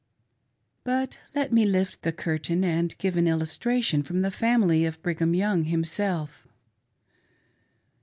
But let me lift the curtain and give an illustration from the family of Brighaih Young himself.